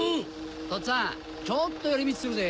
とっつぁんちょっと寄り道するぜ。